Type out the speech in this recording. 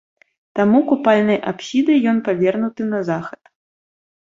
Таму купальнай апсідай ён павернуты на захад.